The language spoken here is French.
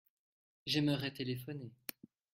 J’aimerais téléphoner.